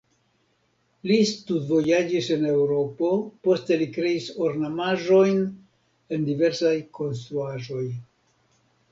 Li studvojaĝis en Eŭropo, poste li kreis ornamaĵojn en diversaj konstruaĵoj.